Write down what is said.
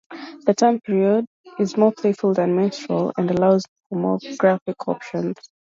The term "period" is more playful than "menstrual," and allows for more graphic options.